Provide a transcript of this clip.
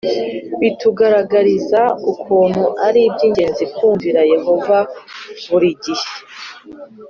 Bitugaragariza ukuntu ari iby ingenzi kumvira Yehova buri gihe